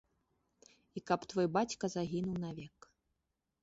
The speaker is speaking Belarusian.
І каб твой бацька загінуў навек.